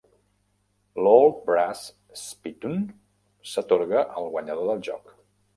La Old Brass Spittoon s'atorga al guanyador del joc.